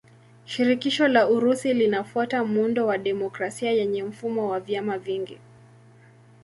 Shirikisho la Urusi linafuata muundo wa demokrasia yenye mfumo wa vyama vingi.